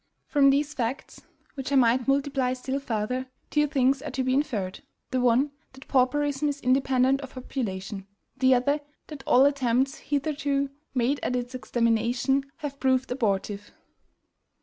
From these facts, which I might multiply still farther, two things are to be inferred, the one, that pauperism is independent of population; the other, that all attempts hitherto made at its extermination have proved abortive.